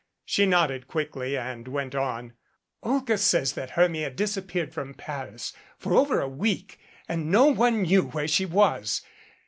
She nodded quickly and went on. "Olga says that Hermia disappeared from Paris for over a week and no 271 MADCAP one knew where she was.